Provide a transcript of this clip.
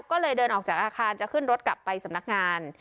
ก็เลยเดินออกจากอาคารจะขึ้นรถกลับไปสำนักงาน